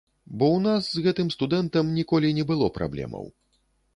Бо ў нас з гэтым студэнтам ніколі не было праблемаў.